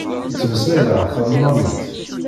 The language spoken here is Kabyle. Ttmeslayeɣ talmanit.